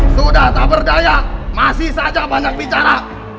sudah tak berdaya masih saja banyak bicara